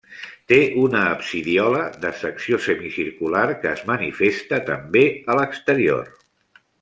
Té una absidiola de secció semicircular, que es manifesta també a l'exterior.